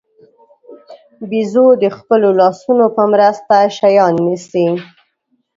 بیزو د خپلو لاسونو په مرسته شیان نیسي.